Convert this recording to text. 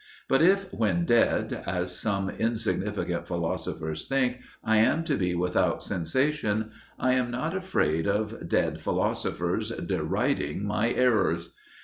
But if when dead, as some insignificant philosophers think, I am to be without sensation, I am not afraid of dead philosophers deriding my errors.